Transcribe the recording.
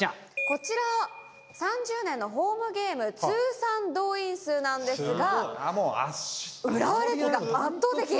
こちら３０年のホームゲーム通算動員数なんですが浦和レッズが圧倒的。